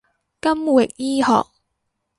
金域醫學